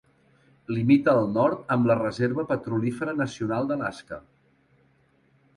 Limita al nord amb la Reserva Petrolífera Nacional d"Alaska.